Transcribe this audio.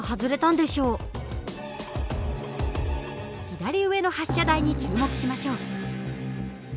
左上の発射台に注目しましょう。